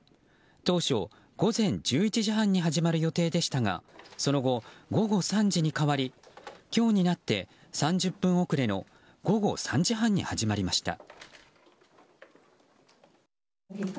当初、午前１１時半に始まる予定でしたがその後、午後３時に変わり今日になって３０分遅れの午後３時半に始まりました。